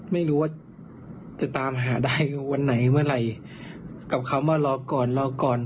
ไม่รู้ว่าจะตามหาได้วันไหนเมื่อไหร่กับเขามารอก่อนรอก่อน